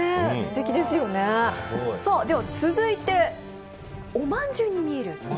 続いて、おまんじゅうに見える石。